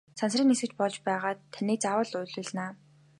Сансрын нисэгч болж байгаад таныг заавал уйлуулна!